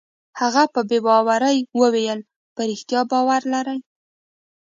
هغه په بې باورۍ وویل: په رښتیا باور لرې؟